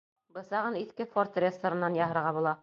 Бысағын иҫке «Форд» рессорынан яһарға була.